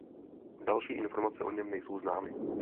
Další informace o něm nejsou známy.